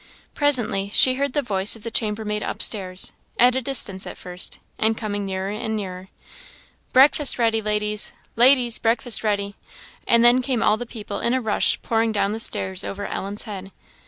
Presently she heard the voice of the chambermaid upstairs, at a distance at first, and coming nearer and nearer. "Breakfast ready, ladies! Ladies, breakfast ready!" and then came all the people in a rush pouring down the stairs over Ellen's head.